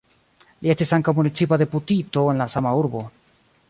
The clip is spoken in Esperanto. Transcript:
Li estis ankaŭ municipa deputito en la sama urbo.